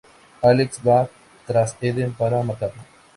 Alex va tras Eden para matarlo.